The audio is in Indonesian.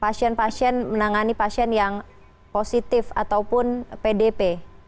pasien pasien menangani pasien yang positif ataupun pdp